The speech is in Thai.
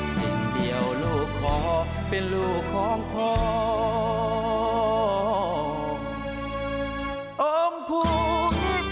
สิ้นเดียวลูกของค่ะเป็นลูกของพ่ออมพูพิพีตร